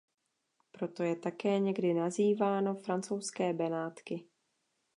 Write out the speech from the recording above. Proto je také někdy nazýváno „Francouzské Benátky“.